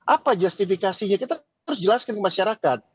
apa justifikasinya kita terus jelaskan ke masyarakat